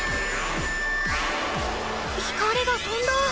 光がとんだ！